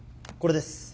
これです